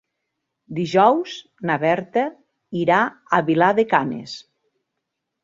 Dijous na Berta irà a Vilar de Canes.